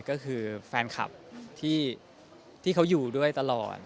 ก็คือแฟนคลับที่เขาอยู่ด้วยตลอด